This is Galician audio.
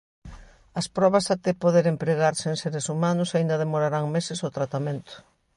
As probas até poder empregarse en seres humanos aínda demorarán meses o tratamento.